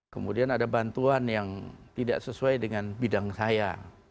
kemudian ada bantuan yang tidak sesuai dengan bidang saya